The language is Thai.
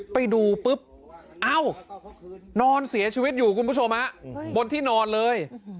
ไปดูปุ๊บเอ้านอนเสียชีวิตอยู่คุณผู้ชมฮะบนที่นอนเลย